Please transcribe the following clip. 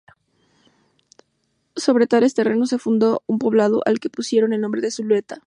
Sobre tales terrenos se fundó un poblado, al que pusieran el nombre de Zulueta.